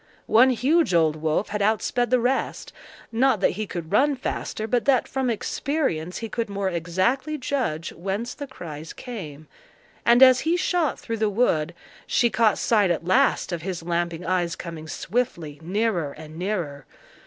One huge old wolf had outsped the rest—not that he could run faster, but that from experience he could more exactly judge whence the cries came, and as he shot through the wood, she caught sight at last of his lamping eyes coming swiftly nearer and nearer.